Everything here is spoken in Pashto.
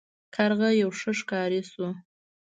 کارغه یو ښه ښکاري شو.